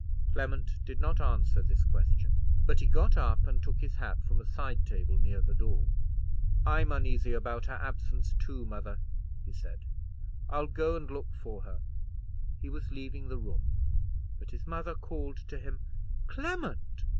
Clement did not answer this question; but he got up and took his hat from a side table near the door. "I'm uneasy about her absence too, mother," he said, "I'll go and look for her." He was leaving the room, but his mother called to him. "Clement!"